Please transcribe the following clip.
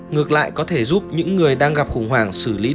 ngược lại có thể giúp những người đang gặp khủng hoảng xử lý